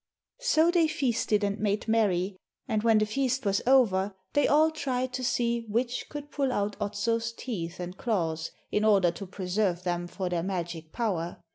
So they feasted and made merry, and when the feast was over they all tried to see which could pull out Otso's teeth and claws, in order to preserve them for their magic power.